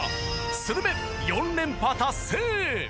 スルメ４連覇達成！